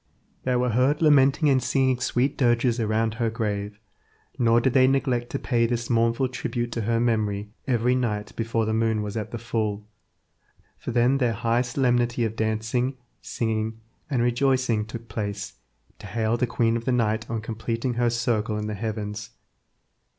They were heard lamenting and singing sweet dirges around her grave; nor did they neglect to pay this mournful tribute to her memory every night before the moon was at the full, for then their high solemnity of dancing, singing, and rejoicing took place to hail the queen of the night on completing her circle in the heavens.